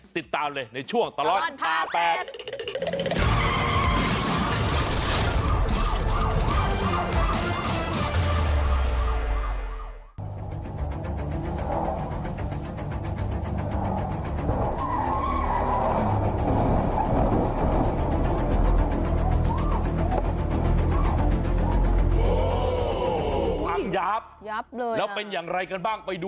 ติดตามเลยในช่วงตลอดข่าวแปลก